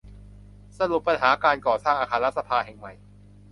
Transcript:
สรุปปัญหาการก่อสร้างอาคารรัฐสภาแห่งใหม่